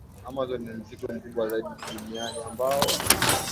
Amazon ni Msitu mkubwa zaidi Duniani ambao